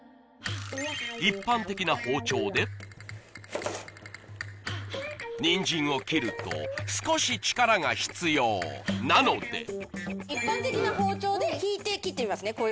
一般的な包丁でニンジンを切ると少し力が必要なので一般的な包丁で引いて切ってみますね